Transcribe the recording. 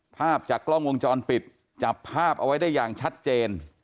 ภาพจากกล้องวงจรปิดจับภาพเอาไว้ได้อย่างชัดเจน